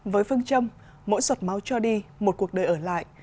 với phương châm mỗi sọt máu cho đi một cuộc đời ở lại